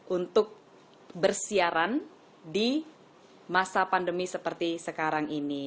untuk bersiaran di masa pandemi seperti sekarang ini